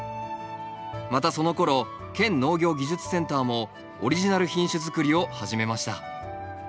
またそのころ県農業技術センターもオリジナル品種づくりを始めました。